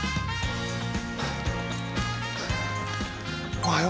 おはよう！